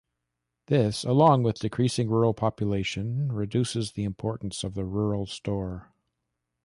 This, along with decreasing rural population, reduces the importance of the rural store.